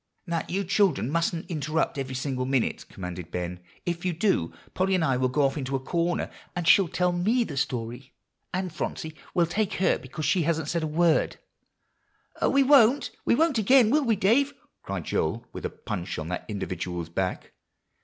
"Now, you children mustn't interrupt every single minute," commanded Ben; "if you do, Polly and I will go off into a corner, and she will tell me the story. And Phronsie we'll take her, because she hasn't said a word." "Oh, we won't we won't again, will we, Dave?" cried Joel, with a punch on that individual's back.